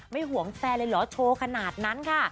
ห่วงแฟนเลยเหรอโชว์ขนาดนั้นค่ะ